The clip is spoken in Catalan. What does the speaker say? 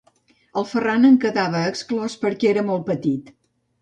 El Ferran en quedava exclòs perquè era molt petit.